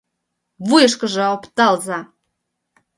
— Вуйышкыжо опталза!